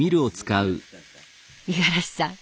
五十嵐さん